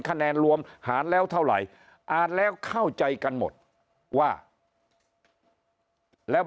คะแนนรวมหารแล้วเท่าไหร่อ่านแล้วเข้าใจกันหมดว่าแล้ว